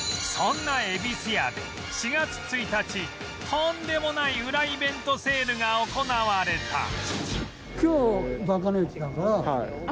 そんなゑびすやで４月１日とんでもないウライベントセールが行われた